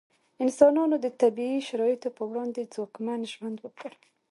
انسانانو د طبیعي شرایطو په وړاندې ځواکمن ژوند وکړ.